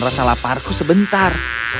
rasa laparku sebentar